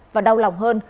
và đau lòng hơn